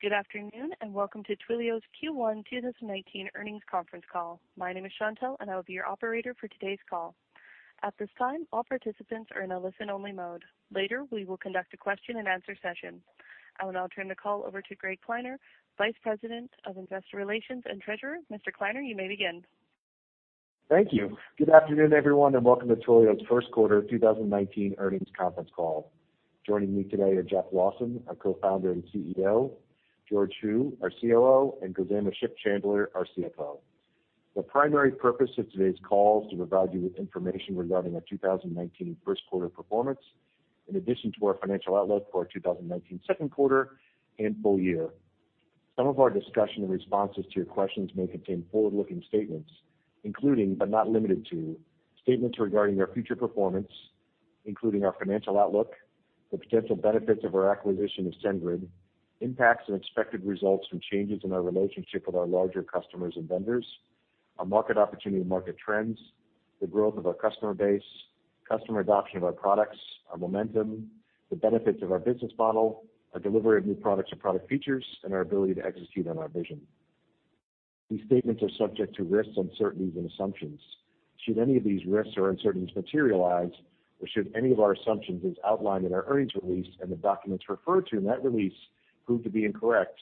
Good afternoon, welcome to Twilio's Q1 2019 earnings conference call. My name is Chantelle, and I will be your operator for today's call. At this time, all participants are in a listen-only mode. Later, we will conduct a question-and-answer session. I will now turn the call over to Greg Kleiner, Vice President of Investor Relations and Treasurer. Mr. Kleiner, you may begin. Thank you. Good afternoon, everyone, welcome to Twilio's first quarter 2019 earnings conference call. Joining me today are Jeff Lawson, our Co-founder and CEO, George Hu, our COO, and Khozema Shipchandler, our CFO. The primary purpose of today's call is to provide you with information regarding our 2019 first quarter performance, in addition to our financial outlook for our 2019 second quarter and full year. Some of our discussion in responses to your questions may contain forward-looking statements, including, but not limited to, statements regarding our future performance, including our financial outlook, the potential benefits of our acquisition of SendGrid, impacts and expected results from changes in our relationship with our larger customers and vendors, our market opportunity and market trends, the growth of our customer base, customer adoption of our products, our momentum, the benefits of our business model, our delivery of new products or product features, and our ability to execute on our vision. These statements are subject to risks, uncertainties, and assumptions. Should any of these risks or uncertainties materialize, or should any of our assumptions as outlined in our earnings release and the documents referred to in that release prove to be incorrect,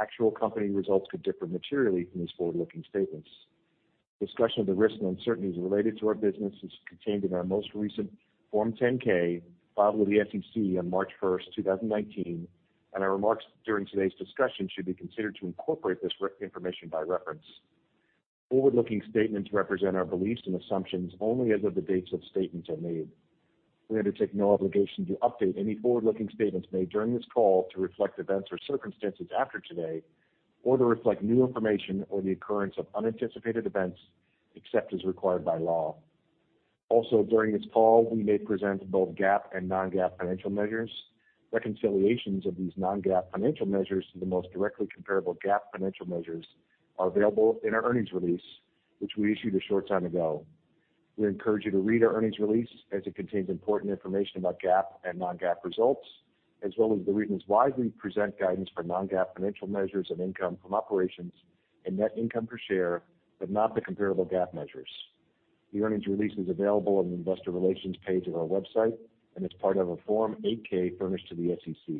actual company results could differ materially from these forward-looking statements. Discussion of the risks and uncertainties related to our business is contained in our most recent Form 10-K filed with the SEC on March 1, 2019, our remarks during today's discussion should be considered to incorporate this information by reference. Forward-looking statements represent our beliefs and assumptions only as of the dates such statements are made. We undertake no obligation to update any forward-looking statements made during this call to reflect events or circumstances after today or to reflect new information or the occurrence of unanticipated events, except as required by law. Also, during this call, we may present both GAAP and non-GAAP financial measures. Reconciliations of these non-GAAP financial measures to the most directly comparable GAAP financial measures are available in our earnings release, which we issued a short time ago. We encourage you to read our earnings release as it contains important information about GAAP and non-GAAP results, as well as the reasons why we present guidance for non-GAAP financial measures of income from operations and net income per share, but not the comparable GAAP measures. The earnings release is available on the Investor Relations page of our website and is part of our Form 8-K furnished to the SEC.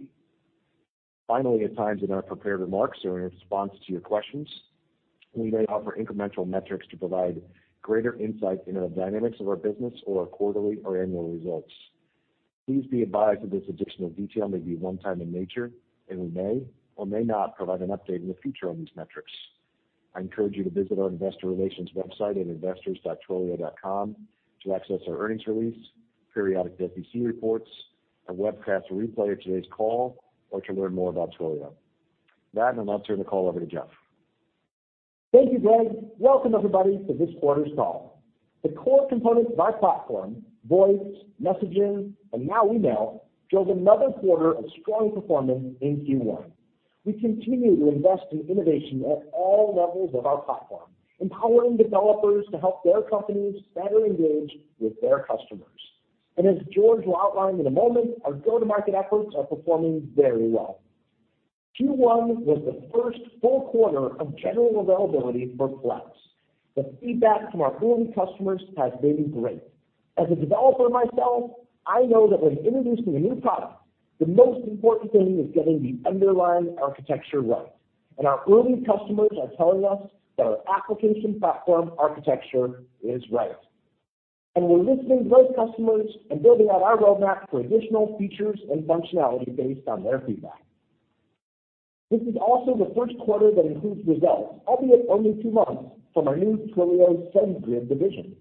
Finally, at times in our prepared remarks or in response to your questions, we may offer incremental metrics to provide greater insight into the dynamics of our business or our quarterly or annual results. Please be advised that this additional detail may be one-time in nature, and we may or may not provide an update in the future on these metrics. I encourage you to visit our investor relations website at investors.twilio.com to access our earnings release, periodic SEC reports, a webcast or replay of today's call, or to learn more about Twilio. I'll now turn the call over to Jeff. Thank you, Greg. Welcome, everybody, to this quarter's call. The core components of our platform, voice, messaging, and now email, drove another quarter of strong performance in Q1. We continue to invest in innovation at all levels of our platform, empowering developers to help their companies better engage with their customers. As George will outline in a moment, our go-to-market efforts are performing very well. Q1 was the first full quarter of general availability for Flex. The feedback from our early customers has been great. As a developer myself, I know that when introducing a new product, the most important thing is getting the underlying architecture right, and our early customers are telling us that our application platform architecture is right. We're listening to those customers and building out our roadmap for additional features and functionality based on their feedback. This is also the first quarter that includes results, albeit only two months, from our new Twilio SendGrid division.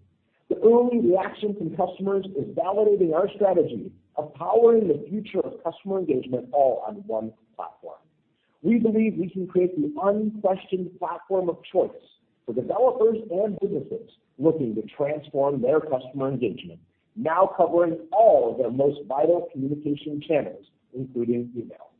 The early reaction from customers is validating our strategy of powering the future of customer engagement all on one platform. We believe we can create the unquestioned platform of choice for developers and businesses looking to transform their customer engagement, now covering all their most vital communication channels, including email.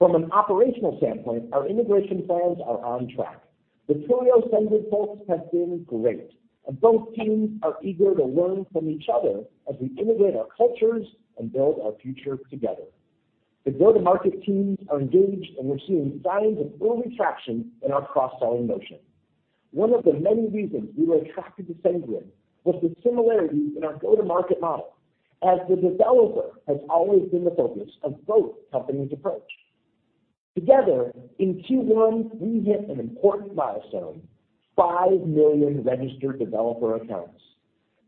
From an operational standpoint, our integration plans are on track. The Twilio SendGrid folks have been great, and both teams are eager to learn from each other as we integrate our cultures and build our future together. The go-to-market teams are engaged, and we're seeing signs of early traction in our cross-selling motion. One of the many reasons we were attracted to SendGrid was the similarities in our go-to-market model, as the developer has always been the focus of both companies' approach. Together, in Q1, we hit an important milestone, 5 million registered developer accounts.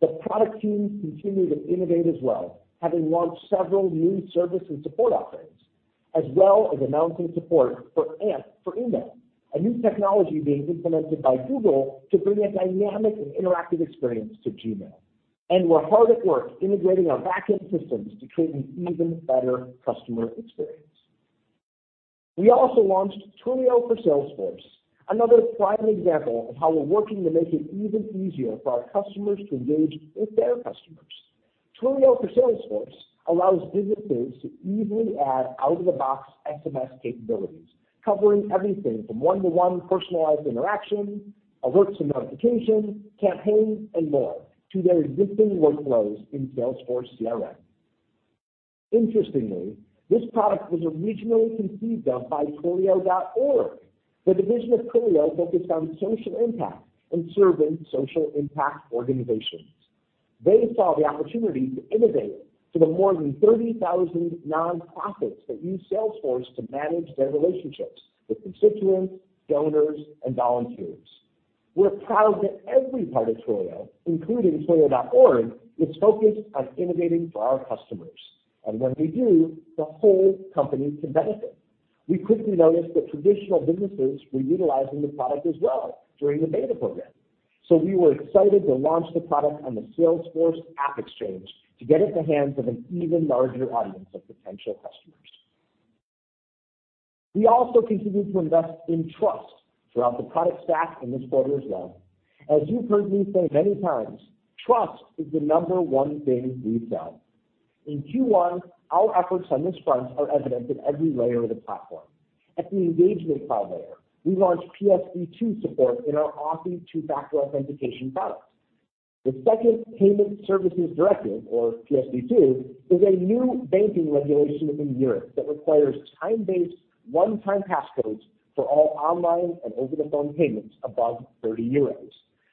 The product teams continue to innovate as well, having launched several new service and support offerings, as well as announcing support for AMP for email, a new technology being implemented by Google to bring a dynamic and interactive experience to Gmail. We're hard at work integrating our backend systems to create an even better customer experience. We also launched Twilio for Salesforce, another prime example of how we're working to make it even easier for our customers to engage with their customers. Twilio for Salesforce allows businesses to easily add out-of-the-box SMS capabilities, covering everything from one-to-one personalized interactions, alerts and notifications, campaigns, and more to their existing workflows in Salesforce CRM. Interestingly, this product was originally conceived of by Twilio.org, the division of Twilio focused on social impact and serving social impact organizations. They saw the opportunity to innovate for the more than 30,000 nonprofits that use Salesforce to manage their relationships with constituents, donors, and volunteers. We're proud that every part of Twilio, including Twilio.org, is focused on innovating for our customers. When we do, the whole company can benefit. We quickly noticed that traditional businesses were utilizing the product as well during the beta program. We were excited to launch the product on the Salesforce AppExchange to get it in the hands of an even larger audience of potential customers. We also continued to invest in trust throughout the product stack in this quarter as well. As you've heard me say many times, trust is the number one thing we sell. In Q1, our efforts on this front are evident in every layer of the platform. At the engagement cloud layer, we launched PSD2 support in our Authy two-factor authentication product. The Second Payment Services Directive, or PSD2, is a new banking regulation within Europe that requires time-based one-time passcodes for all online and over-the-phone payments above 30 euros.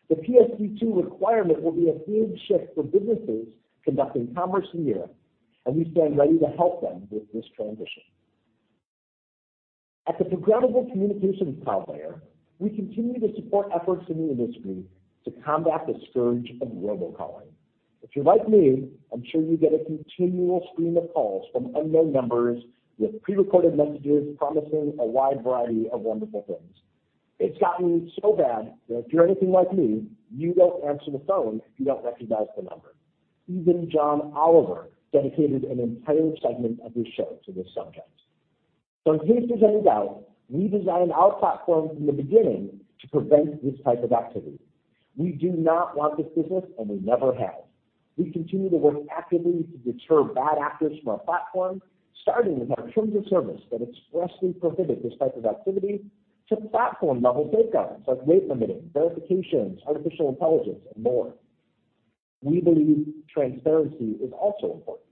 The PSD2 requirement will be a huge shift for businesses conducting commerce in Europe. We stand ready to help them with this transition. At the programmable communications cloud layer, we continue to support efforts in the industry to combat the scourge of robocalling. If you're like me, I'm sure you get a continual stream of calls from unknown numbers with pre-recorded messages promising a wide variety of wonderful things. It's gotten so bad that if you're anything like me, you don't answer the phone if you don't recognize the number. Even John Oliver dedicated an entire segment of his show to this subject. In case there's any doubt, we designed our platform from the beginning to prevent this type of activity. We do not want this business. We never have. We continue to work actively to deter bad actors from our platform, starting with our terms of service that expressly prohibit this type of activity, to platform-level safeguards like rate limiting, verifications, artificial intelligence, and more. We believe transparency is also important.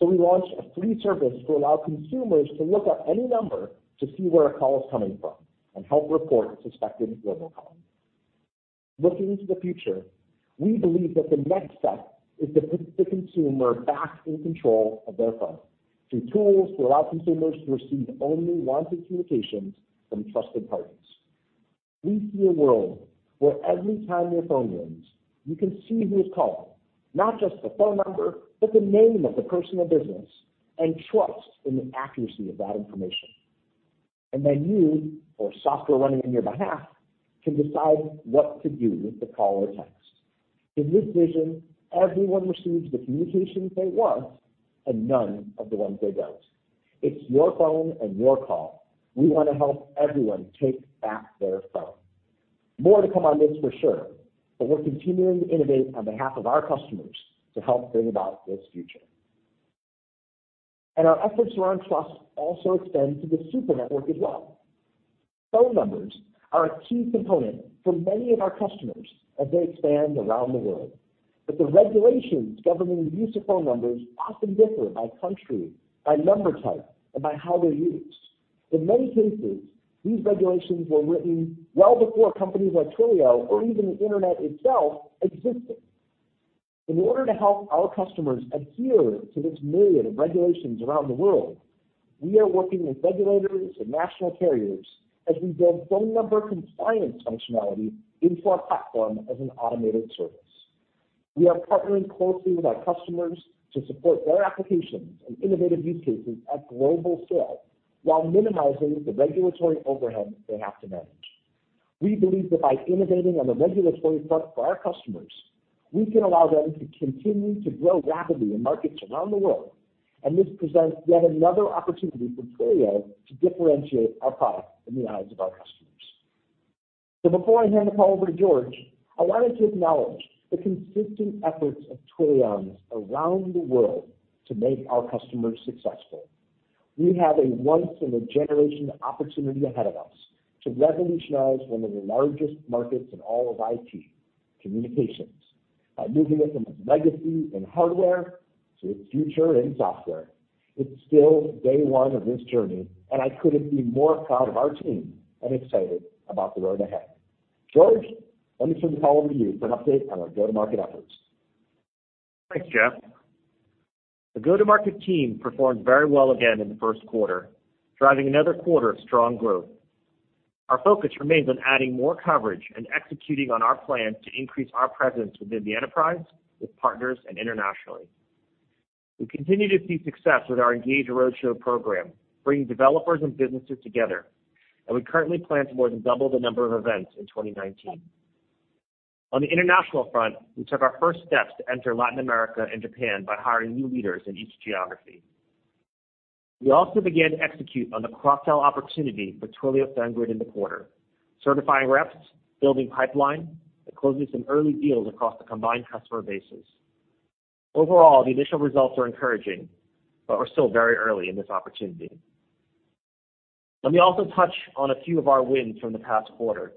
We launched a free service to allow consumers to look up any number to see where a call is coming from and help report suspected robocalling. Looking into the future, we believe that the next step is to put the consumer back in control of their phone through tools that allow consumers to receive only wanted communications from trusted parties. We see a world where every time your phone rings, you can see who is calling, not just the phone number, but the name of the person or business, and trust in the accuracy of that information. Then you or software running on your behalf can decide what to do with the call or text. In this vision, everyone receives the communications they want and none of the ones they don't. It's your phone and your call. We want to help everyone take back their phone. More to come on this for sure. We're continuing to innovate on behalf of our customers to help bring about this future. Our efforts around trust also extend to the Super Network as well. Phone numbers are a key component for many of our customers as they expand around the world. The regulations governing the use of phone numbers often differ by country, by number type, and by how they're used. In many cases, these regulations were written well before companies like Twilio or even the internet itself existed. In order to help our customers adhere to this myriad of regulations around the world, we are working with regulators and national carriers as we build phone number compliance functionality into our platform as an automated service. We are partnering closely with our customers to support their applications and innovative use cases at global scale while minimizing the regulatory overhead they have to manage. We believe that by innovating on the regulatory front for our customers, we can allow them to continue to grow rapidly in markets around the world. This presents yet another opportunity for Twilio to differentiate our product in the eyes of our customers. Before I hand the call over to George, I wanted to acknowledge the consistent efforts of Twilioans around the world to make our customers successful. We have a once-in-a-generation opportunity ahead of us to revolutionize one of the largest markets in all of IT, communications, by moving it from its legacy in hardware to its future in software. It's still day one of this journey. I couldn't be more proud of our team and excited about the road ahead. George, let me turn the call over to you for an update on our go-to-market efforts. Thanks, Jeff. The go-to-market team performed very well again in the first quarter, driving another quarter of strong growth. Our focus remains on adding more coverage and executing on our plan to increase our presence within the enterprise, with partners, and internationally. We currently plan to more than double the number of events in 2019. On the international front, we took our first steps to enter Latin America and Japan by hiring new leaders in each geography. We also began to execute on the Cross Sell opportunity for Twilio SendGrid in the quarter, certifying reps, building pipeline, and closing some early deals across the combined customer bases. Overall, the initial results are encouraging, but we're still very early in this opportunity. Let me also touch on a few of our wins from the past quarter.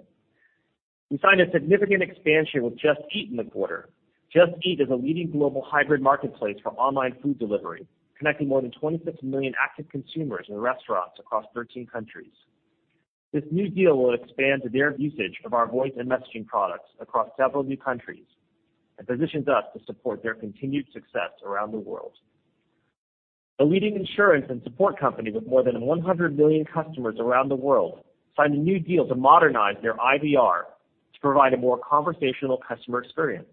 We signed a significant expansion with Just Eat in the quarter. Just Eat is a leading global hybrid marketplace for online food delivery, connecting more than 26 million active consumers and restaurants across 13 countries. This new deal will expand their usage of our voice and messaging products across several new countries, positions us to support their continued success around the world. A leading insurance and support company with more than 100 million customers around the world signed a new deal to modernize their IVR to provide a more conversational customer experience.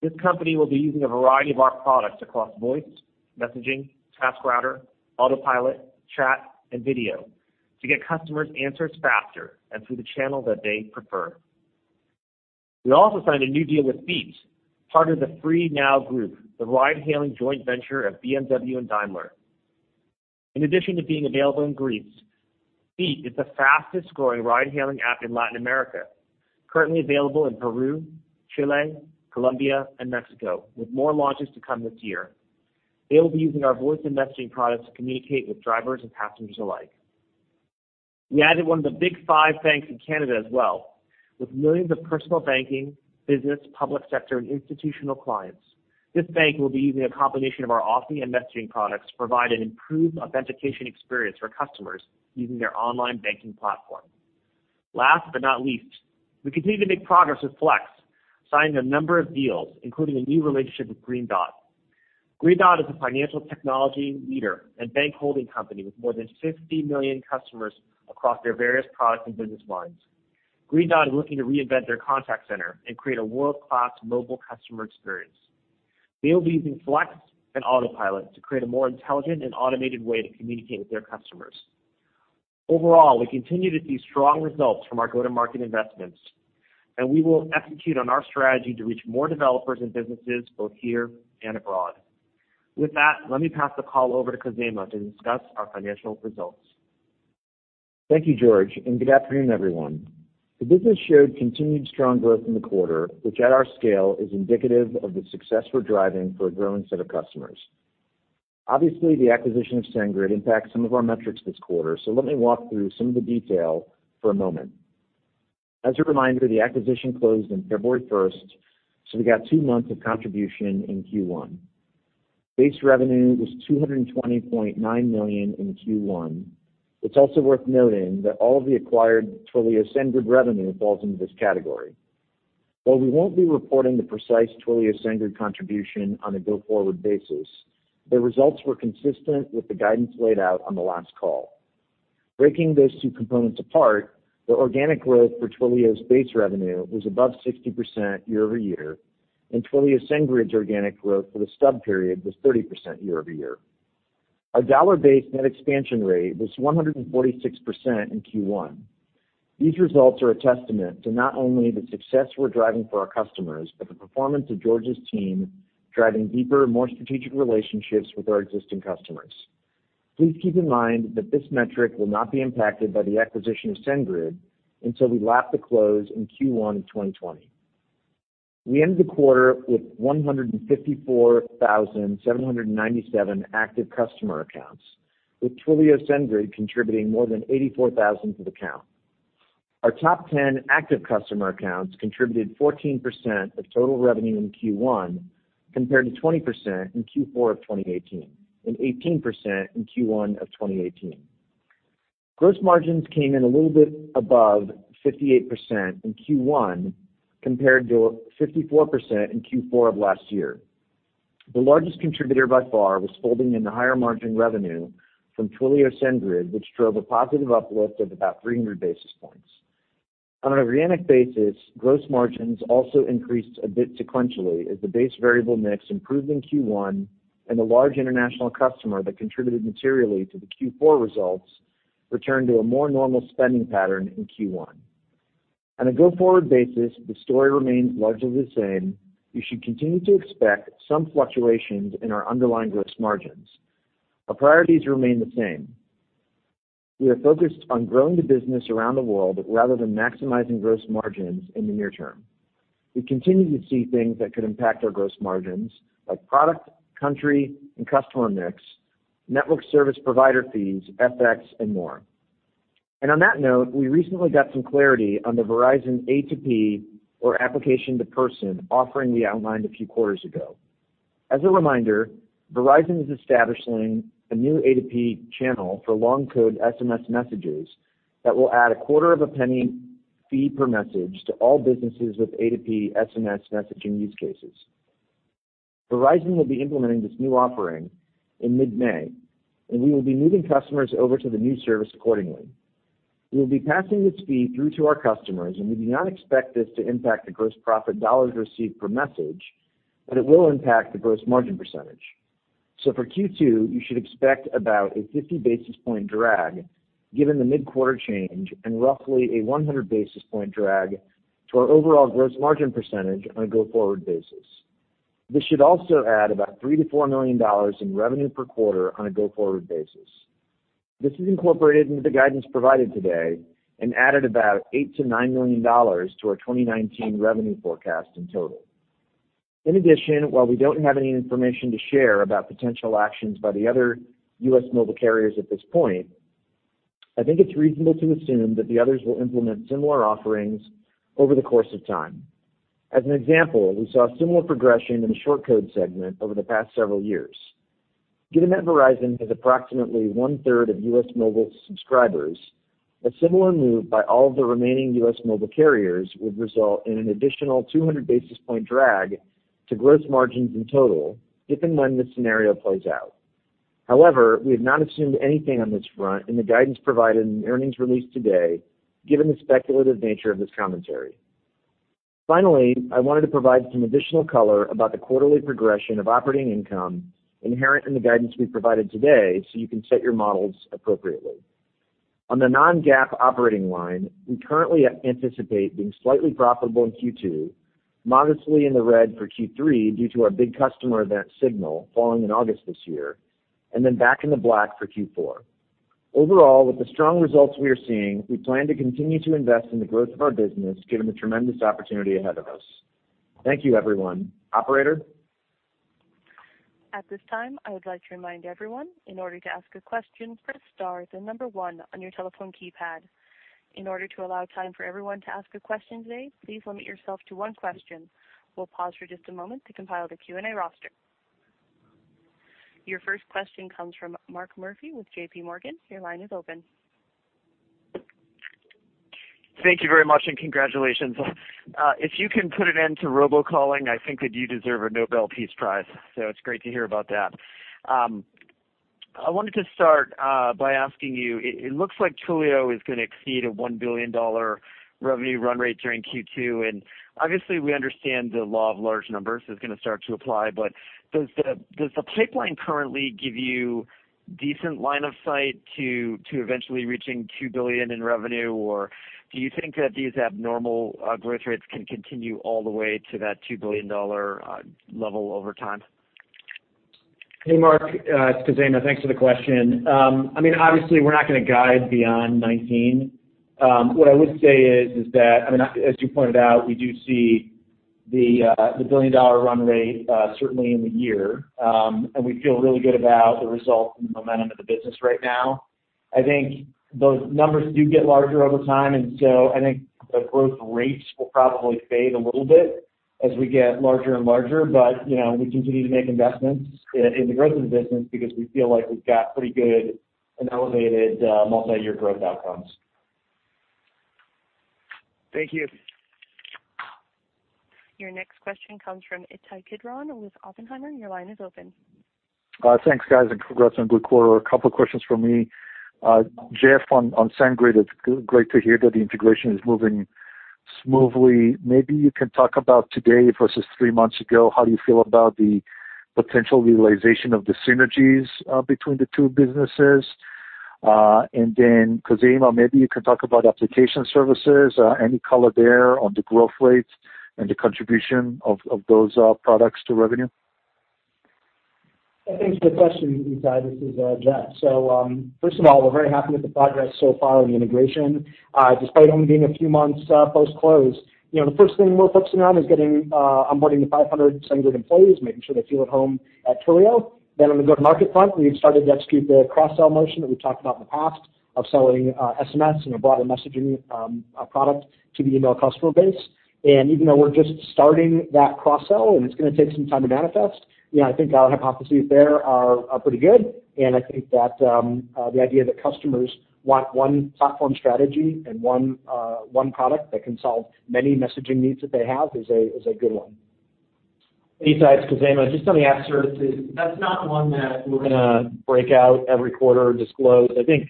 This company will be using a variety of our products across voice, messaging, TaskRouter, Autopilot, chat, and video to get customers answers faster and through the channel that they prefer. We also signed a new deal with Beat, part of the FREE NOW group, the ride-hailing joint venture of BMW and Daimler. In addition to being available in Greece, Beat is the fastest growing ride-hailing app in Latin America, currently available in Peru, Chile, Colombia, and Mexico, with more launches to come this year. They will be using our voice and messaging products to communicate with drivers and passengers alike. We added one of the Big Five banks in Canada as well, with millions of personal banking, business, public sector, and institutional clients. This bank will be using a combination of our Authy and messaging products to provide an improved authentication experience for customers using their online banking platform. Last but not least, we continue to make progress with Flex, signing a number of deals, including a new relationship with Green Dot. Green Dot is a financial technology leader and bank holding company with more than 50 million customers across their various products and business lines. Green Dot is looking to reinvent their contact center and create a world-class mobile customer experience. They will be using Flex and Autopilot to create a more intelligent and automated way to communicate with their customers. Overall, we continue to see strong results from our go-to-market investments, we will execute on our strategy to reach more developers and businesses both here and abroad. With that, let me pass the call over to Khozema to discuss our financial results. Thank you, George, and good afternoon, everyone. The business showed continued strong growth in the quarter, which at our scale, is indicative of the success we're driving for a growing set of customers. Obviously, the acquisition of SendGrid impacts some of our metrics this quarter, so let me walk through some of the detail for a moment. As a reminder, the acquisition closed on February 1st, so we got two months of contribution in Q1. Base revenue was $220.9 million in Q1. It's also worth noting that all of the acquired Twilio SendGrid revenue falls into this category. While we won't be reporting the precise Twilio SendGrid contribution on a go-forward basis, the results were consistent with the guidance laid out on the last call. Breaking those two components apart, the organic growth for Twilio's base revenue was above 60% year-over-year, and Twilio SendGrid's organic growth for the stub period was 30% year-over-year. Our dollar-based net expansion rate was 146% in Q1. These results are a testament to not only the success we're driving for our customers, but the performance of George's team, driving deeper and more strategic relationships with our existing customers. Please keep in mind that this metric will not be impacted by the acquisition of SendGrid until we lap the close in Q1 of 2020. We ended the quarter with 154,797 active customer accounts, with Twilio SendGrid contributing more than 84,000 to the count. Our top 10 active customer accounts contributed 14% of total revenue in Q1, compared to 20% in Q4 of 2018, and 18% in Q1 of 2018. Gross margins came in a little bit above 58% in Q1, compared to 54% in Q4 of last year. The largest contributor by far was folding in the higher margin revenue from Twilio SendGrid, which drove a positive uplift of about 300 basis points. On an organic basis, gross margins also increased a bit sequentially as the base variable mix improved in Q1 and the large international customer that contributed materially to the Q4 results returned to a more normal spending pattern in Q1. On a go-forward basis, the story remains largely the same. You should continue to expect some fluctuations in our underlying gross margins. Our priorities remain the same. We are focused on growing the business around the world rather than maximizing gross margins in the near term. We continue to see things that could impact our gross margins, like product, country, and customer mix, network service provider fees, FX, and more. On that note, we recently got some clarity on the Verizon A2P, or application-to-person, offering we outlined a few quarters ago. As a reminder, Verizon is establishing a new A2P channel for long code SMS messages that will add a quarter of a penny fee per message to all businesses with A2P SMS messaging use cases. Verizon will be implementing this new offering in mid-May, and we will be moving customers over to the new service accordingly. We will be passing this fee through to our customers, and we do not expect this to impact the gross profit dollars received per message, but it will impact the gross margin percentage. For Q2, you should expect about a 50 basis point drag given the mid-quarter change and roughly a 100 basis point drag to our overall gross margin percentage on a go-forward basis. This should also add about $3 million to $4 million in revenue per quarter on a go-forward basis. This is incorporated into the guidance provided today and added about $8 million to $9 million to our 2019 revenue forecast in total. In addition, while we don't have any information to share about potential actions by the other U.S. mobile carriers at this point, I think it's reasonable to assume that the others will implement similar offerings over the course of time. As an example, we saw similar progression in the short code segment over the past several years. Given that Verizon has approximately one-third of U.S. mobile subscribers, a similar move by all of the remaining U.S. mobile carriers would result in an additional 200 basis point drag to gross margins in total, if and when this scenario plays out. However, we have not assumed anything on this front in the guidance provided in the earnings release today, given the speculative nature of this commentary. Finally, I wanted to provide some additional color about the quarterly progression of operating income inherent in the guidance we've provided today so you can set your models appropriately. On the non-GAAP operating line, we currently anticipate being slightly profitable in Q2, modestly in the red for Q3 due to our big customer event Signal falling in August this year, and then back in the black for Q4. Overall, with the strong results we are seeing, we plan to continue to invest in the growth of our business given the tremendous opportunity ahead of us. Thank you, everyone. Operator? At this time, I would like to remind everyone, in order to ask a question, press star, then number one on your telephone keypad. In order to allow time for everyone to ask a question today, please limit yourself to one question. We'll pause for just a moment to compile the Q&A roster. Your first question comes from Mark Murphy with J.P. Morgan. Your line is open. Thank you very much. Congratulations. If you can put an end to robocalling, I think that you deserve a Nobel Peace Prize, it's great to hear about that. I wanted to start by asking you, it looks like Twilio is going to exceed a $1 billion revenue run rate during Q2. Obviously, we understand the law of large numbers is going to start to apply. Does the pipeline currently give you decent line of sight to eventually reaching $2 billion in revenue? Do you think that these abnormal growth rates can continue all the way to that $2 billion level over time? Hey, Mark. It's Khozema, thanks for the question. We're not going to guide beyond 2019. What I would say is that, as you pointed out, we do see the billion-dollar run rate certainly in the year. We feel really good about the results and the momentum of the business right now. Those numbers do get larger over time, and so I think the growth rates will probably fade a little bit as we get larger and larger. We continue to make investments in the growth of the business because we feel like we've got pretty good and elevated multi-year growth outcomes. Thank you. Your next question comes from Itai Kidron with Oppenheimer. Your line is open. Thanks, guys. Congrats on a good quarter. A couple of questions from me. Jeff, on SendGrid, it's great to hear that the integration is moving smoothly. Maybe you can talk about today versus three months ago, how do you feel about the potential realization of the synergies between the two businesses? Khozema, maybe you can talk about application services, any color there on the growth rates and the contribution of those products to revenue? Thanks for the question, Itai. This is Jeff. First of all, we're very happy with the progress so far on the integration. Despite only being a few months post-close, the first thing we're focusing on is onboarding the 500 SendGrid employees, making sure they feel at home at Twilio. On the go-to-market front, we've started to execute the cross-sell motion that we've talked about in the past of selling SMS and a broader messaging product to the email customer base. Even though we're just starting that cross-sell, and it's going to take some time to manifest, I think our hypotheses there are pretty good. I think that the idea that customers want one platform strategy and one product that can solve many messaging needs that they have is a good one. Itai, it's Khozema. Just on the app services, that's not one that we're going to break out every quarter or disclose. I think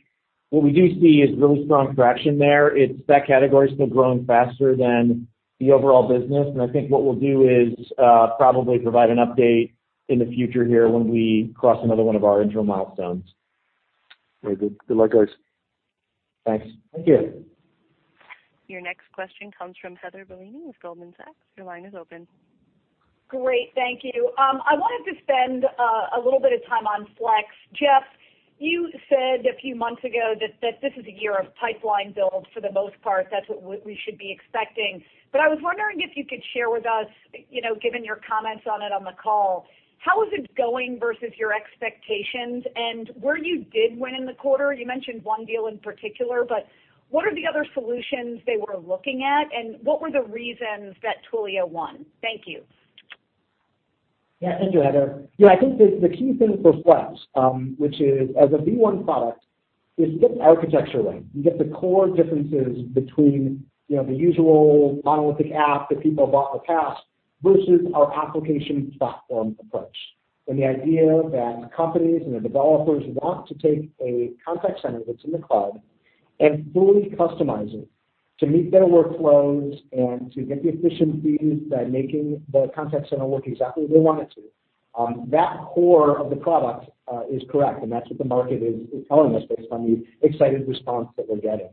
what we do see is really strong traction there. That category is still growing faster than the overall business, and I think what we'll do is probably provide an update in the future here when we cross another one of our interim milestones. Very good. Good luck, guys. Thanks. Thank you. Your next question comes from Heather Bellini with Goldman Sachs. Your line is open. Great. Thank you. I wanted to spend a little bit of time on Flex. Jeff, you said a few months ago that this is a year of pipeline build. For the most part, that's what we should be expecting. I was wondering if you could share with us, given your comments on it on the call, how is it going versus your expectations? Where you did win in the quarter, you mentioned one deal in particular, but what are the other solutions they were looking at, and what were the reasons that Twilio won? Thank you. Thank you, Heather. I think the key thing for Flex, which is as a V1 product, it's architecture-led. You get the core differences between the usual monolithic app that people have bought in the past versus our application platform approach. The idea that companies and their developers want to take a contact center that's in the cloud and fully customize it to meet their workflows. To get the efficiencies by making the contact center work exactly as they want it to. That core of the product is correct. That's what the market is telling us based on the excited response that we're getting.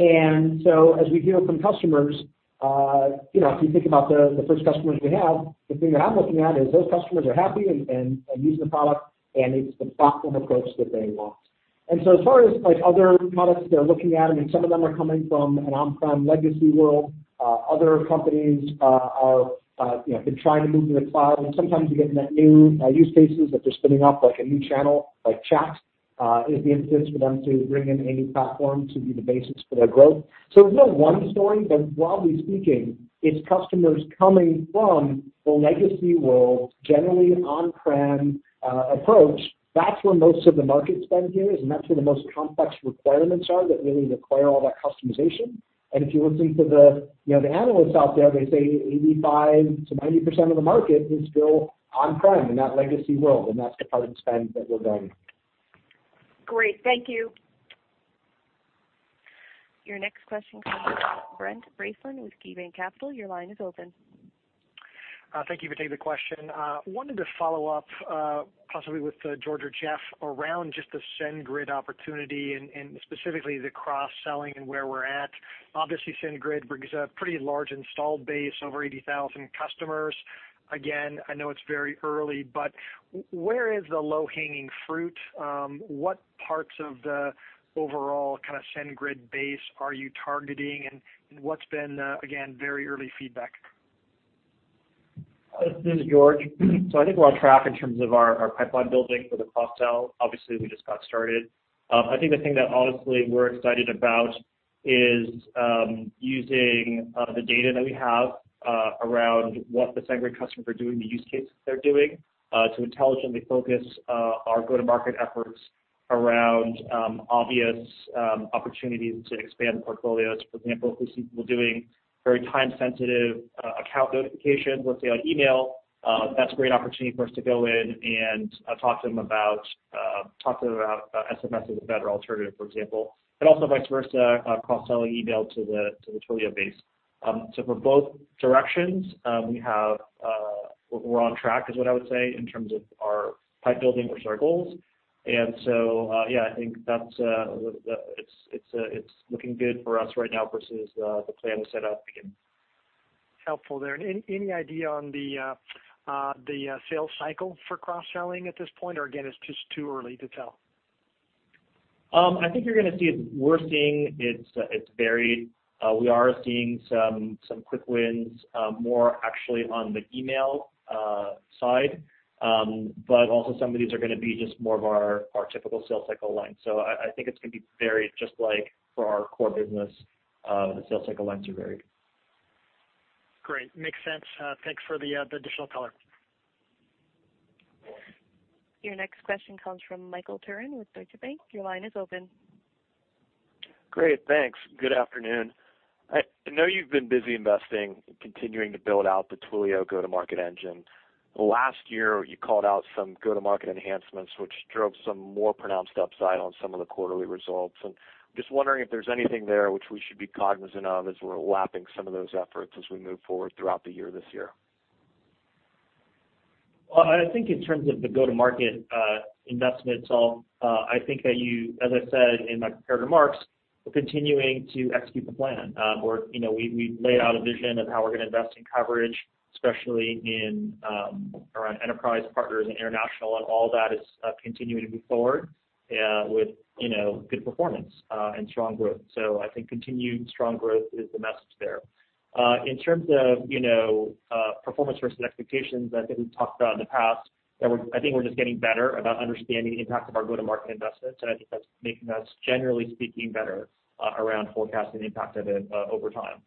As we hear from customers, if you think about the first customers we have, the thing that I'm looking at is those customers are happy and use the product. It's the platform approach that they want. As far as other products they're looking at, some of them are coming from an on-prem legacy world, other companies have been trying to move to the cloud, sometimes you get net new use cases that they're spinning up, like a new channel, like chat is the instance for them to bring in a new platform to be the basis for their growth. There's no one story, but broadly speaking, it's customers coming from the legacy world, generally an on-prem approach. That's where most of the market spend is, that's where the most complex requirements are that really require all that customization. If you listen to the analysts out there, they say 85%-90% of the market is still on-prem in that legacy world, that's the part of the spend that we're going. Great. Thank you. Your next question comes from Brent Bracelin with KeyBanc Capital. Your line is open. Thank you for taking the question. I wanted to follow up, possibly with George or Jeff around just the SendGrid opportunity and specifically the cross-selling and where we're at. Obviously, SendGrid brings a pretty large installed base, over 80,000 customers. Again, I know it's very early, but where is the low-hanging fruit? What parts of the overall kind of SendGrid base are you targeting, and what's been, again, very early feedback? This is George. I think we're on track in terms of our pipeline building for the cross-sell. Obviously, we just got started. I think the thing that honestly we're excited about is using the data that we have around what the SendGrid customers are doing, the use cases they're doing, to intelligently focus our go-to-market efforts around obvious opportunities to expand the portfolios. For example, if we see people doing very time-sensitive account notifications, let's say on email, that's a great opportunity for us to go in and talk to them about SMS as a better alternative, for example, but also vice versa, cross-selling email to the Twilio base. For both directions, we're on track is what I would say in terms of our pipe building versus our goals, yeah, I think it's looking good for us right now versus the plan we set out at the beginning. Helpful there. Any idea on the sales cycle for cross-selling at this point, or again, it's just too early to tell? We're seeing it's varied. We are seeing some quick wins, more actually on the email side. Also some of these are going to be just more of our typical sales cycle length. I think it's going to be varied just like for our core business, the sales cycle lengths are varied. Great. Makes sense. Thanks for the additional color. Your next question comes from Michael Turrin with Deutsche Bank. Your line is open. Great. Thanks. Good afternoon. I know you've been busy investing and continuing to build out the Twilio go-to-market engine. Last year, you called out some go-to-market enhancements, which drove some more pronounced upside on some of the quarterly results. Just wondering if there's anything there which we should be cognizant of as we're lapping some of those efforts as we move forward throughout the year this year. Well, I think in terms of the go-to-market investments, I think that as I said in my prepared remarks, we're continuing to execute the plan. We laid out a vision of how we're going to invest in coverage, especially around enterprise partners and international. All that is continuing to move forward with good performance and strong growth. I think continued strong growth is the message there. In terms of performance versus expectations, I think we've talked about in the past that I think we're just getting better about understanding the impact of our go-to-market investments. I think that's making us, generally speaking, better around forecasting the impact of it over time.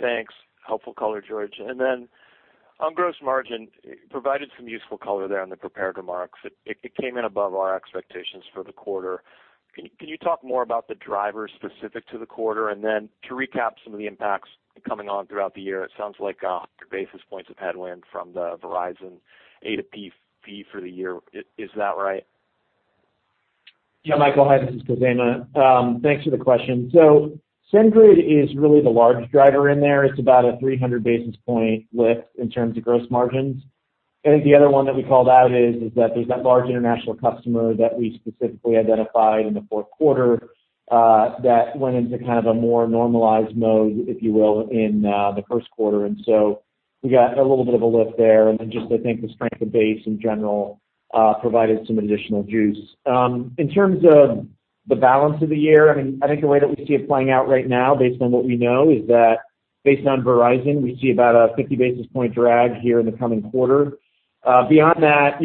Thanks. Helpful color, George. On gross margin, you provided some useful color there on the prepared remarks. It came in above our expectations for the quarter. Can you talk more about the drivers specific to the quarter? To recap some of the impacts coming on throughout the year, it sounds like 100 basis points of headwind from the Verizon A2P fee for the year. Is that right? Michael. Hi, this is Khozema. Thanks for the question. SendGrid is really the large driver in there. It's about a 300 basis point lift in terms of gross margins. I think the other one that we called out is that there's that large international customer that we specifically identified in the fourth quarter that went into kind of a more normalized mode, if you will, in the first quarter, and so we got a little bit of a lift there. Just I think the strength of base in general provided some additional juice. In terms of the balance of the year, I think the way that we see it playing out right now based on what we know is that based on Verizon, we see about a 50 basis point drag here in the coming quarter. Beyond that,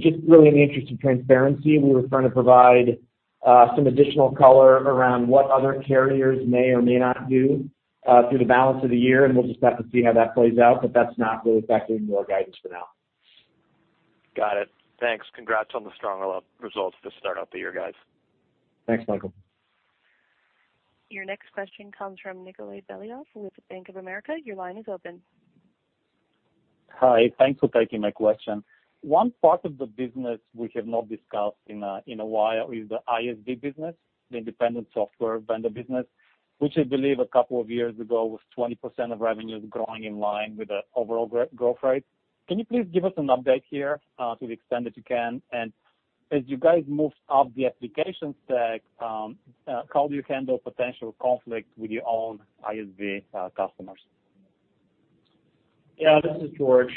just really in the interest of transparency, we were trying to provide some additional color around what other carriers may or may not do through the balance of the year, and we'll just have to see how that plays out, but that's not really factoring into our guidance for now. Got it. Thanks. Congrats on the strong results to start out the year, guys. Thanks, Michael. Your next question comes from Nikolay Beliov with Bank of America. Your line is open. Hi. Thanks for taking my question. One part of the business we have not discussed in a while is the ISV business, the independent software vendor business, which I believe a couple of years ago was 20% of revenues growing in line with the overall growth rate. Can you please give us an update here to the extent that you can? As you guys move up the application stack, how do you handle potential conflict with your own ISV customers? Yeah, this is George.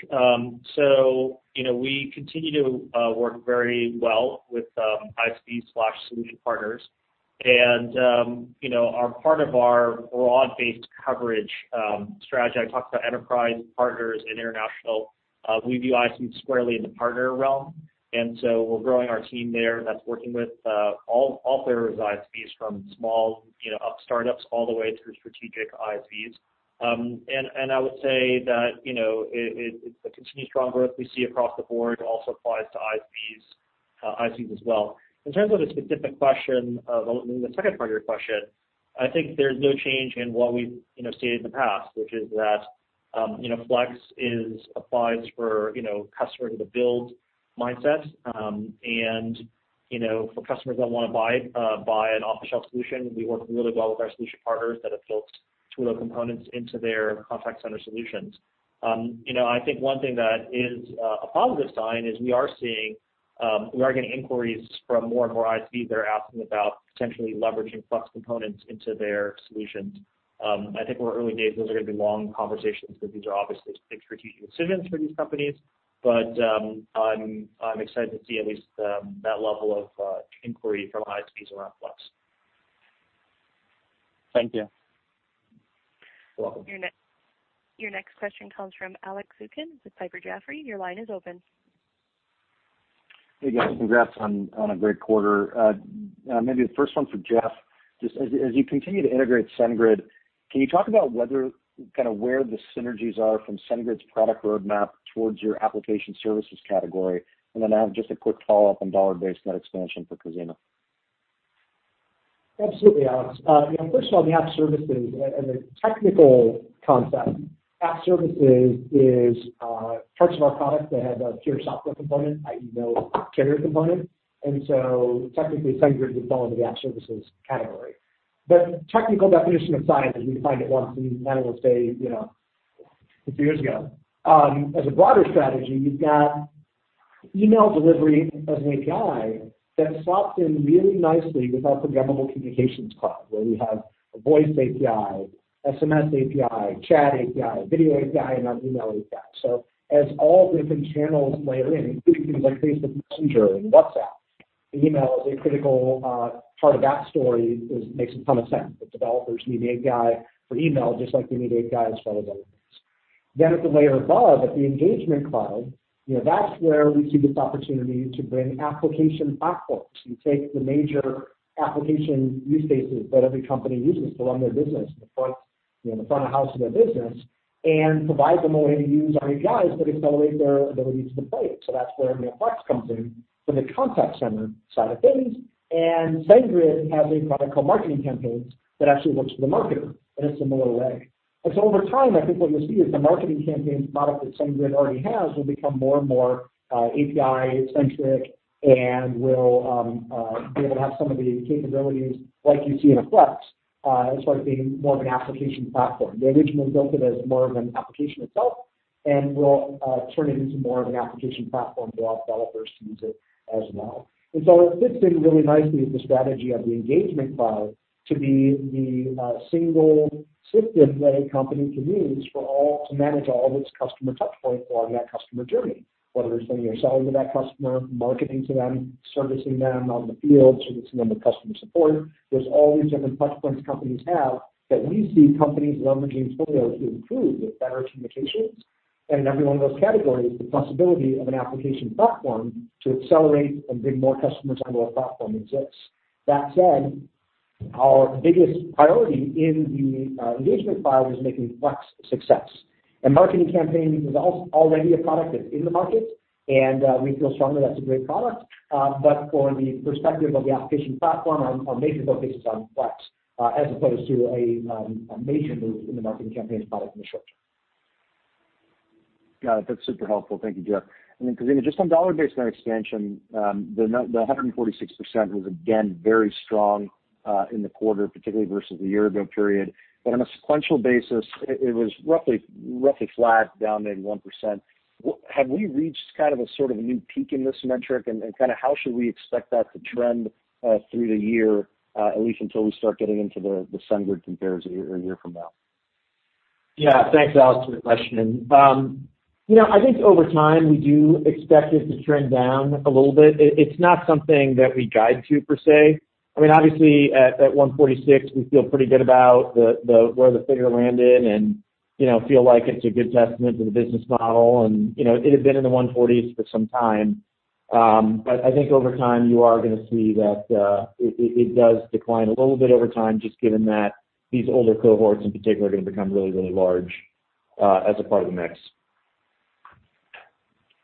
We continue to work very well with ISV/solution partners and part of our broad-based coverage strategy, I talked about enterprise partners and international. We view ISVs squarely in the partner realm, and so we're growing our team there that's working with all flavors of ISVs, from small startups all the way through strategic ISVs. I would say that the continued strong growth we see across the board also applies to ISVs as well. In terms of the specific question of the second part of your question, I think there's no change in what we've stated in the past, which is that Flex applies for customers with a build mindset. For customers that want to buy an off-the-shelf solution, we work really well with our solution partners that have built Twilio components into their contact center solutions. I think one thing that is a positive sign is we are getting inquiries from more and more ISVs that are asking about potentially leveraging Flex components into their solutions. I think we're early days. Those are going to be long conversations because these are obviously big strategic decisions for these companies. I'm excited to see at least that level of inquiry from ISVs around Flex. Thank you. You're welcome. Your next question comes from Alex Zukin with Piper Jaffray. Your line is open. Hey, guys. Congrats on a great quarter. Maybe the first one's for Jeff. Just as you continue to integrate SendGrid, can you talk about where the synergies are from SendGrid's product roadmap towards your application services category? I have just a quick follow-up on dollar-based net expansion for Khozema. Absolutely, Alex. First of all, the app services, as a technical concept, app services is parts of our product that have a pure software component, i.e. no carrier component. Technically, SendGrid would fall into the app services category. Technical definition aside, as we defined it once, I will say a few years ago, as a broader strategy, you've got email delivery as an API that slots in really nicely with our programmable communications cloud, where we have a voice API, SMS API, chat API, video API, and our email API. As all the different channels layer in, including things like Facebook Messenger and WhatsApp, email is a critical part of that story. It makes a ton of sense that developers need API for email, just like they need APIs for other things. At the layer above, at the engagement cloud, that's where we see this opportunity to bring application platforms. You take the major application use cases that every company uses to run their business, the front of the house of their business, and provide them a way to use our APIs that accelerate their ability to deploy it. That's where Flex comes in from the contact center side of things, and SendGrid has a product called Marketing Campaigns that actually works for the marketer in a similar way. Over time, I think what you'll see is the Marketing Campaigns product that SendGrid already has will become more and more API-centric and will be able to have some of the capabilities like you see in a Flex, and start being more of an application platform. They originally built it as more of an application itself, and we'll turn it into more of an application platform to allow developers to use it as well. It fits in really nicely with the strategy of the engagement cloud to be the single system that a company can use to manage all of its customer touch points along that customer journey, whether it's when you're selling to that customer, marketing to them, servicing them on the field, servicing them with customer support. There's all these different touch points companies have that we see companies leveraging Twilio to improve with better communications. In every one of those categories, the possibility of an application platform to accelerate and bring more customers onto our platform exists. That said, our biggest priority in the engagement cloud is making Flex a success. Marketing Campaigns is already a product that's in the market, and we feel strongly that's a great product. For the perspective of the application platform, our major focus is on Flex, as opposed to a major move in the Marketing Campaigns product in the short term. Got it. That's super helpful. Thank you, Jeff. Then Khozema, just on dollar-based net expansion, the 146% was again, very strong in the quarter, particularly versus the year-ago period. On a sequential basis, it was roughly flat, down maybe 1%. Have we reached sort of a new peak in this metric, and how should we expect that to trend through the year, at least until we start getting into the SendGrid compares a year from now? Yeah. Thanks, Alex, for the question. I think over time, we do expect it to trend down a little bit. It's not something that we guide to, per se. Obviously, at 146, we feel pretty good about where the figure landed and feel like it's a good testament to the business model, and it had been in the 140s for some time. I think over time, you are going to see that it does decline a little bit over time, just given that these older cohorts in particular are going to become really, really large as a part of the mix.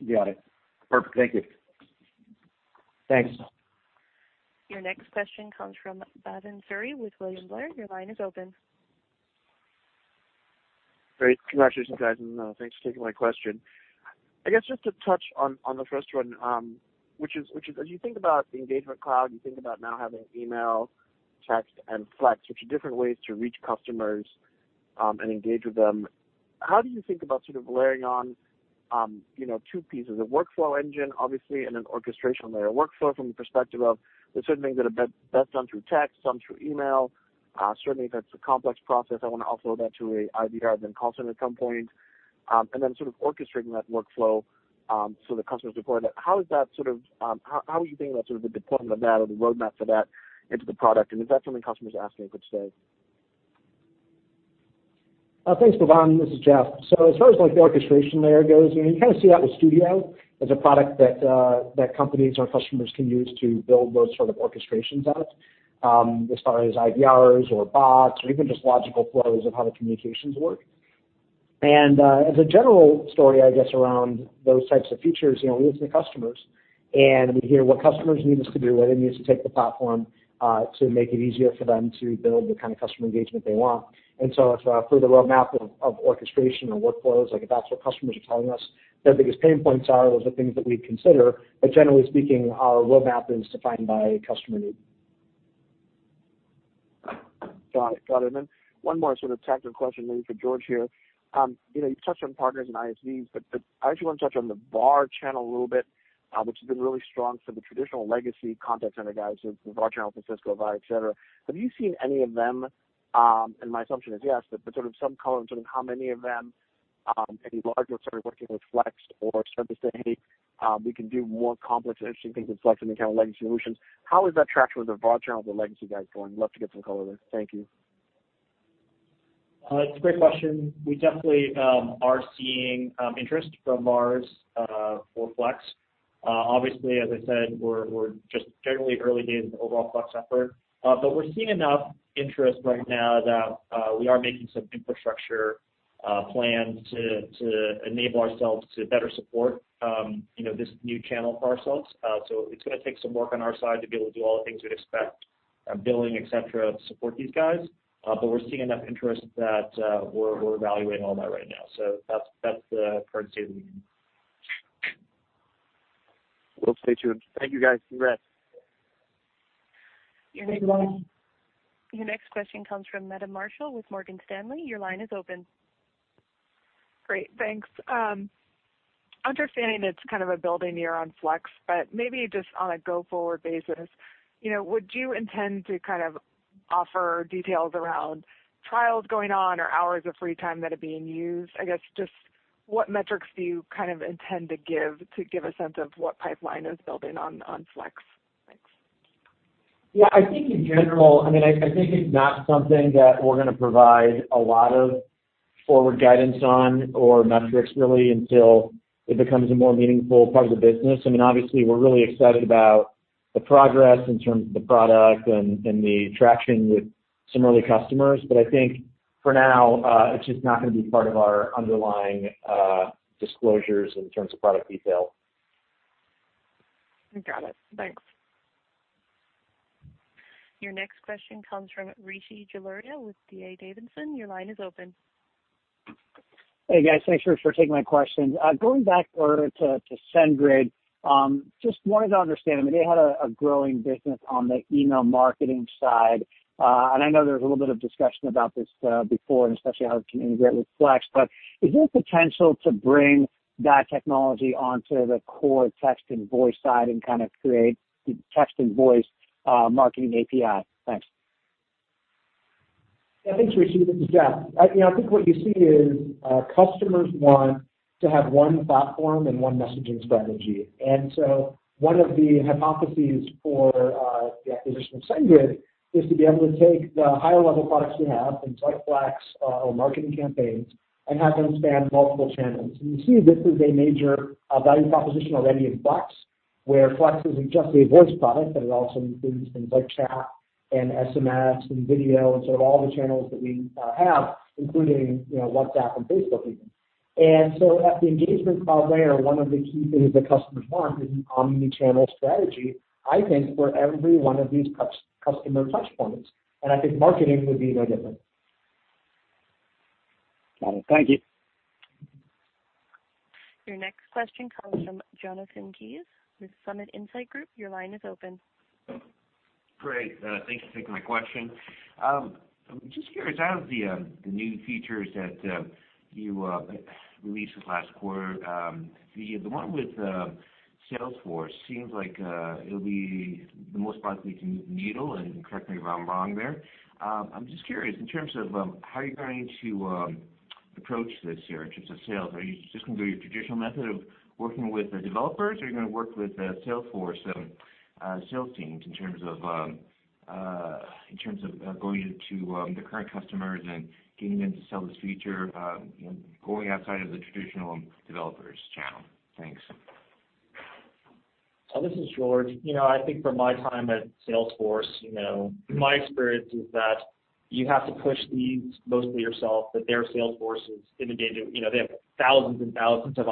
Got it. Perfect. Thank you. Thanks. Your next question comes from Bhavan Suri with William Blair. Your line is open. Great. Congratulations, guys, and thanks for taking my question. I guess just to touch on the first one, which is as you think about the engagement cloud, you think about now having email, text, and Flex, which are different ways to reach customers and engage with them, how do you think about sort of layering on two pieces, a workflow engine, obviously, and an orchestration layer. Workflow from the perspective of there are certain things that are best done through text, some through email. Certainly, if it's a complex process, I want to offload that to an IVR and then call center at some point, and then sort of orchestrating that workflow so the customer's supported. How are you thinking about the deployment of that or the roadmap for that into the product? Is that something customers are asking for today? Thanks, Evan. This is Jeff. As far as the orchestration layer goes, you kind of see that with Studio as a product that companies or customers can use to build those sort of orchestrations out, as far as IVRs or bots or even just logical flows of how the communications work. As a general story, I guess, around those types of features, we listen to customers, and we hear what customers need us to do, where they need us to take the platform to make it easier for them to build the kind of customer engagement they want. For the roadmap of orchestration or workflows, if that's what customers are telling us their biggest pain points are, those are things that we'd consider. Generally speaking, our roadmap is defined by customer need. Got it. Then one more sort of tactical question, maybe for George here. You touched on partners and ISVs, but I actually want to touch on the VAR channel a little bit, which has been really strong for the traditional legacy contact center guys. The VAR channel, Cisco, Avaya, et cetera. Have you seen any of them, and my assumption is yes, but sort of some color in terms of how many of them, maybe larger ones, started working with Flex or started to say, "Hey, we can do more complex and interesting things with Flex than the kind of legacy solutions." How is that traction with the VAR channel with the legacy guys going? Love to get some color there. Thank you. It's a great question. We definitely are seeing interest from VARs for Flex. As I said, we're just generally early days in the overall Flex effort. We're seeing enough interest right now that we are making some infrastructure plans to enable ourselves to better support this new channel for ourselves. It's going to take some work on our side to be able to do all the things we'd expect, billing, et cetera, to support these guys. We're seeing enough interest that we're evaluating all that right now. That's the current state of the union. Will stay tuned. Thank you, guys. Congrats. Thanks, Pavan. Your next question comes from Meta Marshall with Morgan Stanley. Your line is open. Great. Thanks. Understanding it's kind of a building year on Flex, maybe just on a go-forward basis, would you intend to offer details around trials going on or hours of free time that are being used? I guess, just what metrics do you intend to give, to give a sense of what pipeline is building on Flex? Thanks. Yeah, I think in general, I think it's not something that we're going to provide a lot of forward guidance on or metrics really until it becomes a more meaningful part of the business. Obviously, we're really excited about the progress in terms of the product and the traction with some early customers. I think for now, it's just not going to be part of our underlying disclosures in terms of product detail. Got it. Thanks. Your next question comes from Rishi Jaluria with D.A. Davidson. Your line is open. Hey, guys. Thanks for taking my questions. Going back over to SendGrid, just wanted to understand, they had a growing business on the email marketing side. I know there was a little bit of discussion about this before and especially how it can integrate with Flex, but is there potential to bring that technology onto the core text and voice side and kind of create the text and voice marketing API? Thanks. Yeah, thanks, Rishi. This is Jeff. I think what you see is customers want to have one platform and one messaging strategy. So one of the hypotheses for the acquisition of SendGrid is to be able to take the higher-level products we have in Flex or Marketing Campaigns and have them span multiple channels. You see this is a major value proposition already in Flex, where Flex isn't just a voice product, but it also includes things like chat and SMS and video and sort of all the channels that we have, including WhatsApp and Facebook even. At the engagement cloud layer, one of the key things that customers want is an omnichannel strategy, I think, for every one of these customer touchpoints, and I think marketing would be no different. Got it. Thank you. Your next question comes from Jonathan Kees with Summit Insights Group. Your line is open. Great. Thank you for taking my question. I'm just curious, out of the new features that you released this last quarter, the one with Salesforce seems like it'll be the most likely to move the needle, and correct me if I'm wrong there. I'm just curious in terms of how you're going to approach this year in terms of sales. Are you just going to do your traditional method of working with the developers, or are you going to work with the Salesforce sales teams in terms of going to the current customers and getting them to sell this feature and going outside of the traditional developers channel? Thanks. This is George Hu. From my time at Salesforce, my experience is that you have to push leads mostly yourself, that their Salesforce is inundated. They have thousands and thousands of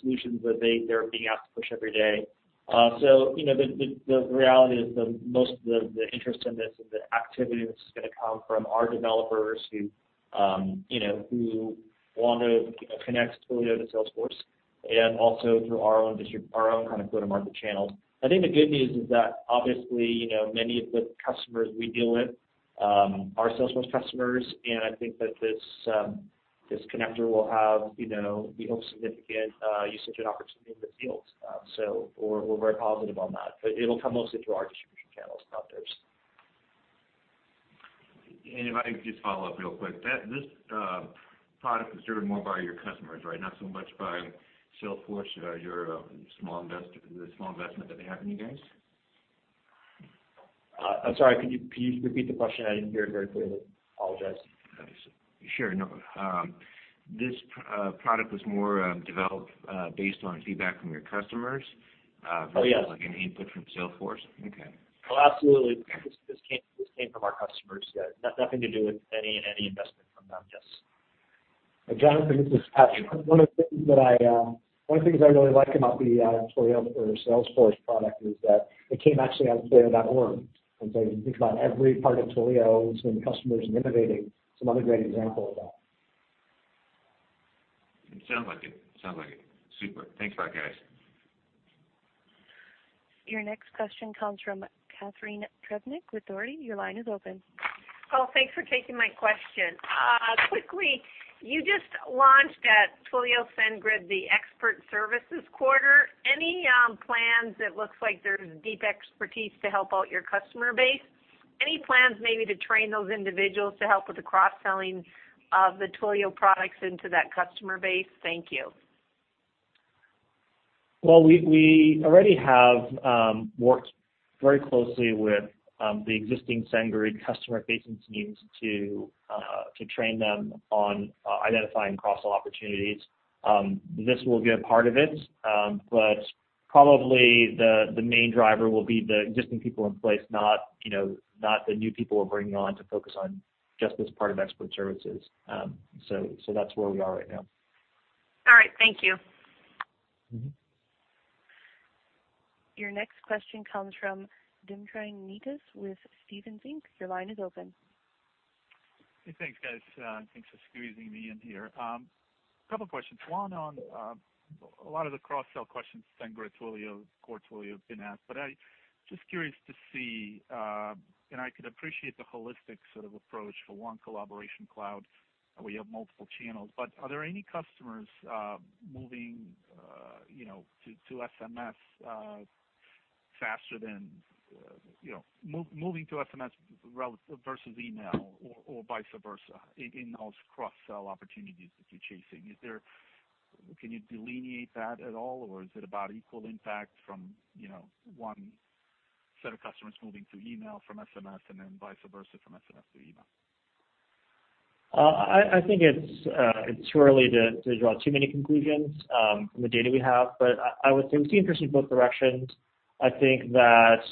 solutions that they're being asked to push every day. The reality is that most of the interest in this and the activity in this is going to come from our developers who want to connect Twilio to Salesforce and also through our own go-to-market channels. I think the good news is that obviously, many of the customers we deal with our Salesforce customers, and I think that this connector will have significant usage and opportunity in the field. We're very positive on that. It'll come mostly through our distribution channels, not theirs. If I could just follow up real quick. This product was driven more by your customers, right? Not so much by Salesforce, the small investment that they have in you guys? I'm sorry, could you please repeat the question? I didn't hear it very clearly. Apologize. Sure. No. This product was more developed based on feedback from your customers. Oh, yes versus an input from Salesforce? Okay. Oh, absolutely. This came from our customers. Nothing to do with any investment from them. Yes. Jonathan, this is Jeff. One of the things I really like about the Twilio for Salesforce product is that it came actually out of Twilio.org. You think about every part of Twilio is when customers are innovating, some other great example of that. It sounds like it. Super. Thanks a lot, guys. Your next question comes from Catharine Trebnick with Dougherty. Your line is open. Thanks for taking my question. Quickly, you just launched at Twilio SendGrid, the expert services quarter. Any plans that looks like there's deep expertise to help out your customer base? Any plans maybe to train those individuals to help with the cross-selling of the Twilio products into that customer base? Thank you. Well, we already have worked very closely with the existing SendGrid customer-facing teams to train them on identifying cross-sell opportunities. This will be a part of it. Probably the main driver will be the existing people in place, not the new people we're bringing on to focus on just this part of expert services. That's where we are right now. All right. Thank you. Your next question comes from Dmitry Netis with Stephens Inc. Your line is open. Hey, thanks, guys. Thanks for squeezing me in here. Couple of questions. One on a lot of the cross-sell questions Twilio SendGrid, Core Twilio have been asked, I just curious to see, and I could appreciate the holistic sort of approach for one collaboration cloud where you have multiple channels, but are there any customers moving to SMS versus email or vice versa in those cross-sell opportunities that you're chasing? Can you delineate that at all, or is it about equal impact from one set of customers moving to email from SMS and then vice versa from SMS to email? I think it's too early to draw too many conclusions from the data we have, I would say we see interest in both directions. I think that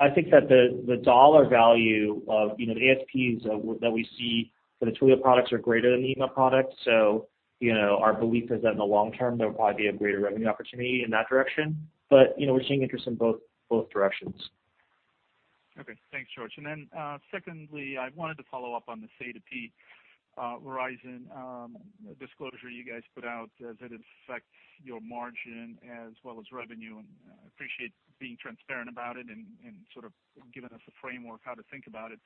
the dollar value of the ASPs that we see for the Twilio products are greater than the email products. Our belief is that in the long term, there will probably be a greater revenue opportunity in that direction. We're seeing interest in both directions. Okay. Thanks, George. Then, secondly, I wanted to follow up on the A2P Verizon disclosure you guys put out as it affects your margin as well as revenue, I appreciate being transparent about it and sort of giving us a framework how to think about it.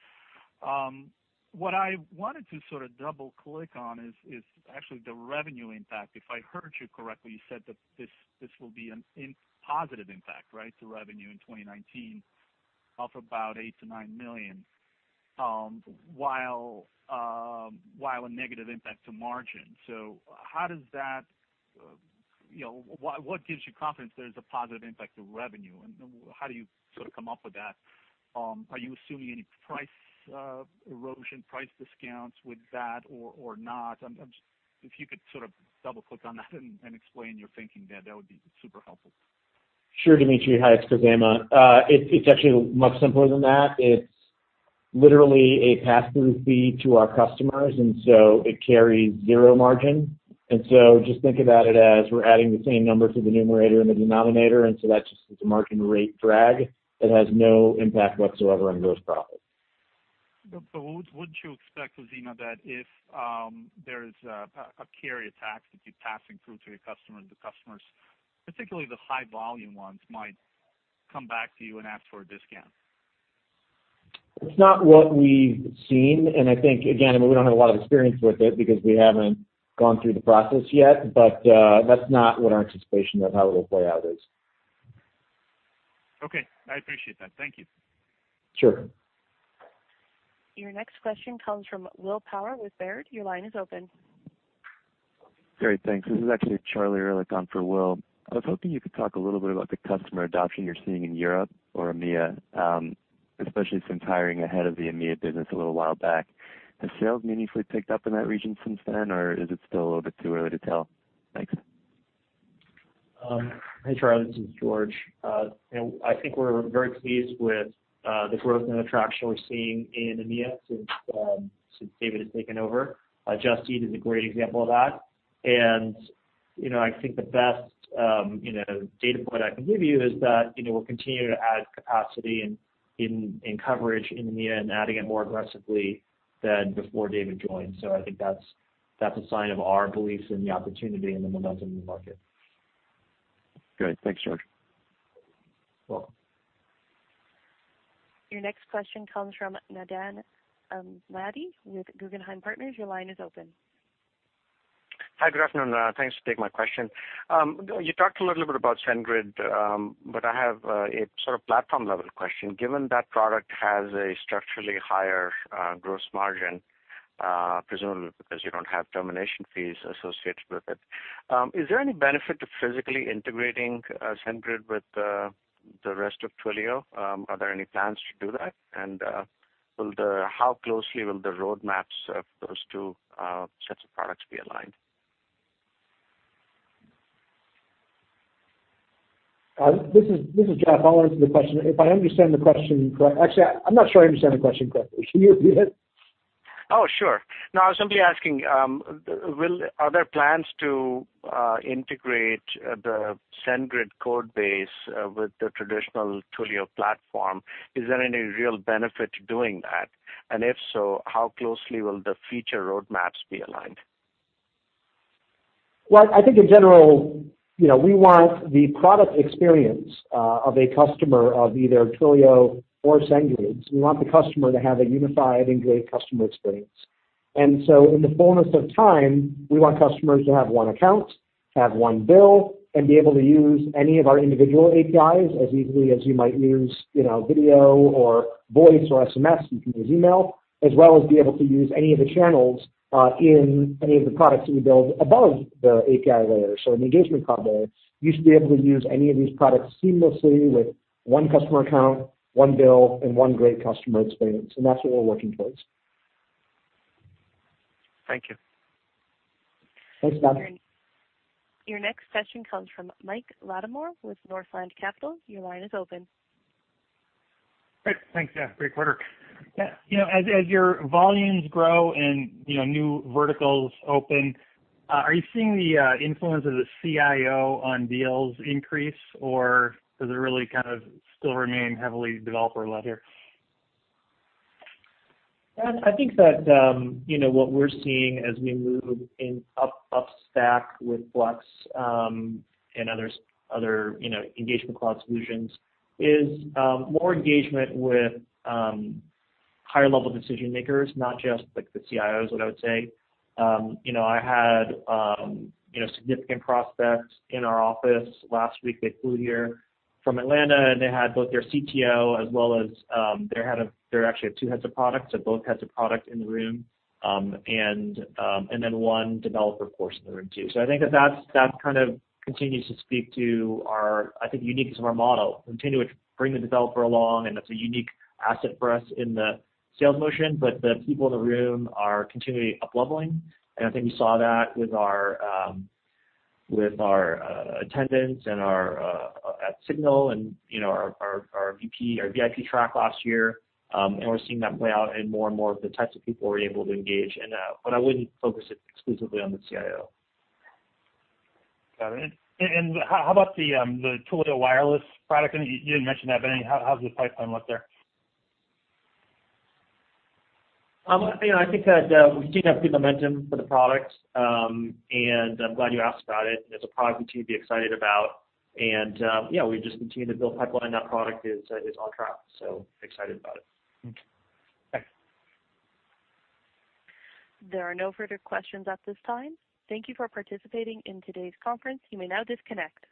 What I wanted to sort of double-click on is actually the revenue impact. If I heard you correctly, you said that this will be a positive impact, right, to revenue in 2019 of about $8 million-$9 million, while a negative impact to margin. What gives you confidence there's a positive impact to revenue, and how do you sort of come up with that? Are you assuming any price erosion, price discounts with that or not? If you could sort of double-click on that and explain your thinking there, that would be super helpful. Sure, Dmitry. Hi, it's Khozema. It's actually much simpler than that. It's literally a passthrough fee to our customers. It carries 0 margin. Just think about it as we're adding the same number to the numerator and the denominator. That's just a margin rate drag that has no impact whatsoever on gross profit. Would you expect, Khozema, that if there's a carrier tax that you're passing through to the customers, the customers, particularly the high-volume ones, might come back to you and ask for a discount? It's not what we've seen, and I think, again, we don't have a lot of experience with it because we haven't gone through the process yet, but that's not what our anticipation of how it'll play out is. Okay. I appreciate that. Thank you. Sure. Your next question comes from William Power with Baird. Your line is open. Great. Thanks. This is actually Charlie Ehrlich on for Will. I was hoping you could talk a little bit about the customer adoption you're seeing in Europe or EMEA, especially since hiring ahead of the EMEA business a little while back. Has sales meaningfully picked up in that region since then, or is it still a little bit too early to tell? Thanks. Hey, Charlie, this is George. I think we're very pleased with the growth and the traction we're seeing in EMEA since David has taken over. Just Eat is a great example of that. I think the best data point I can give you is that we're continuing to add capacity and coverage in EMEA and adding it more aggressively than before David joined. I think that's a sign of our beliefs in the opportunity and the momentum in the market. Great. Thanks, George. You're welcome. Your next question comes from Nandan Mendhi with Guggenheim Partners. Your line is open. Hi. Good afternoon. Thanks for taking my question. You talked a little bit about SendGrid, but I have a platform-level question. Given that product has a structurally higher gross margin, presumably because you don't have termination fees associated with it, is there any benefit to physically integrating SendGrid with the rest of Twilio? Are there any plans to do that? How closely will the roadmaps of those two sets of products be aligned? This is Jeff. I'll answer the question. If I understand the question correct Actually, I'm not sure I understand the question correctly. Can you repeat it? Oh, sure. No, I was simply asking, are there plans to integrate the SendGrid code base with the traditional Twilio platform? Is there any real benefit to doing that? If so, how closely will the future roadmaps be aligned? Well, I think in general, we want the product experience of a customer of either Twilio or SendGrid, we want the customer to have a unified and great customer experience. In the fullness of time, we want customers to have one account, have one bill, and be able to use any of our individual APIs as easily as you might use video or voice or SMS, you can use email, as well as be able to use any of the channels in any of the products that we build above the API layer. In the engagement cloud layer, you should be able to use any of these products seamlessly with one customer account, one bill, and one great customer experience. That's what we're working towards. Thank you. Thanks, Nandan. Your next question comes from Mike Latimore with Northland Capital. Your line is open. Great. Thanks, yeah. Great quarter. As your volumes grow and new verticals open, are you seeing the influence of the CIO on deals increase, or does it really kind of still remain heavily developer-led here? I think that what we're seeing as we move up stack with Flex, and other Engagement Cloud solutions is more engagement with higher-level decision makers, not just the CIOs, what I would say. I had significant prospects in our office last week. They flew here from Atlanta, and they had both their CTO as well as their head of. They actually have two heads of product, so both heads of product in the room, and then one developer, of course, in the room, too. I think that that kind of continues to speak to our, I think, uniqueness of our model. We continue to bring the developer along. That's a unique asset for us in the sales motion. The people in the room are continually up-leveling. I think we saw that with our attendance at Signal and our VIP track last year. We're seeing that play out in more and more of the types of people we're able to engage in that. I wouldn't focus it exclusively on the CIO. Got it. How about the Twilio Wireless product? You didn't mention that, but how's the pipeline look there? I think that we continue to have good momentum for the product, and I'm glad you asked about it. It's a product we continue to be excited about. Yeah, we just continue to build pipeline. That product is on track, so excited about it. Okay. Thanks. There are no further questions at this time. Thank you for participating in today's conference. You may now disconnect.